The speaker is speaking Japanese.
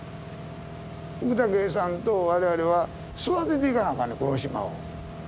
福武さんと我々は育てていかなあかんねんこの島を。